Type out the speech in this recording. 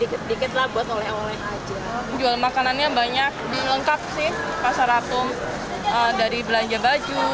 sedikitlah buat oleh oleh aja jual makanannya banyak di lengkap sih pasar atom dari belanja baju